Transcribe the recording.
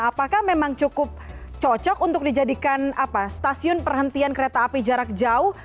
apakah memang cukup cocok untuk dijadikan stasiun perhentian kereta api jarak jauh